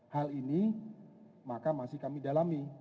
hal ini maka masih kami dalami